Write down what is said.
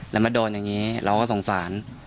แล้วมาโดนอย่างนี้เราก็สงสาร